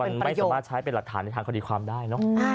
มันไม่สามารถใช้เป็นหลักฐานในทางคดีความได้เนอะ